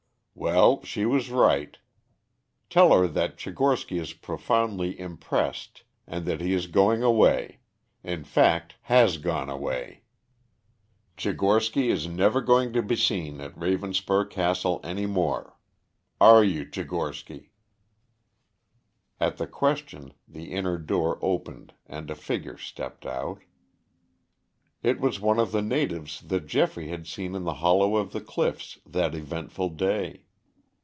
"Well, she was right. Tell her that Tchigorsky is profoundly impressed and that he is going away; in fact, has gone away. Tchigorsky is never going to be seen at Ravenspur Castle any more. Are you, Tchigorsky?" At the question the inner door opened and a figure stepped out. It was one of the natives that Geoffrey had seen in the hollow of the cliffs that eventful day.